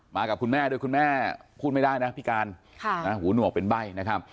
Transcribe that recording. กับคุณแม่ด้วยคุณแม่พูดไม่ได้นะพิการหูหนวกเป็นใบ้นะครับ